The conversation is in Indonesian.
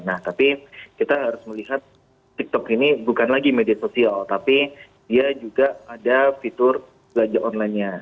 nah tapi kita harus melihat tiktok ini bukan lagi media sosial tapi dia juga ada fitur belanja online nya